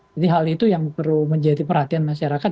jadi hal itu yang perlu menjadi perhatian masyarakat